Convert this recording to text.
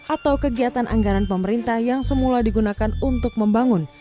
atau kegiatan anggaran pemerintah yang semula digunakan untuk membangun